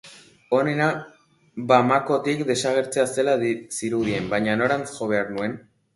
Onena Bamakotik desagertzea zela zirudien, baina norantz jo behar nuen?